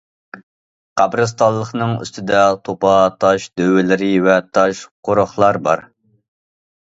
قەبرىستانلىقنىڭ ئۈستىدە توپا، تاش دۆۋىلىرى ۋە تاش قورۇقلار بار.